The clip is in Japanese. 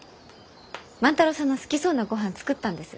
万太郎さんの好きそうなごはん作ったんです。